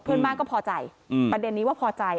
เพื่อนบ้านก็พอใจประเด็นนี้ว่าพอใจ